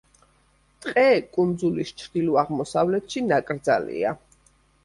ტყე კუნძულის ჩრდილო-აღმოსავლეთში ნაკრძალია.